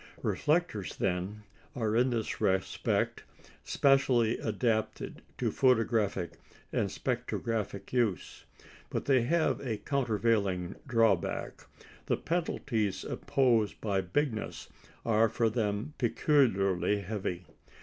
Reflectors, then, are in this respect specially adapted to photographic and spectrographic use. But they have a countervailing drawback. The penalties imposed by bigness are for them peculiarly heavy.